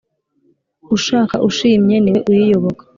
Ushaka ushimye niwe uyiyoboka.